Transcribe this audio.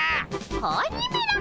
子鬼めら！